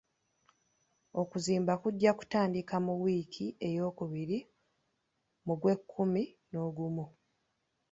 Okuzimba kujja kutandika mu wiiki eyookubiri mu gw'ekkumi n'ogumu.